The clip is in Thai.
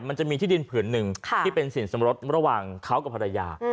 มันจะมีที่ดินผืนหนึ่งที่เป็นสินสมรสระหว่างเขากับภรรยา